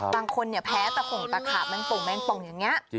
บางคนแพ้ตะขาบแมงป่งแมงป่งอย่างนี้